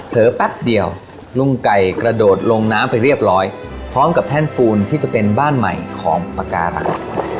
แป๊บเดียวลุงไก่กระโดดลงน้ำไปเรียบร้อยพร้อมกับแท่นปูนที่จะเป็นบ้านใหม่ของปากการัง